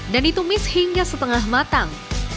dan ditumis hingga setengah matang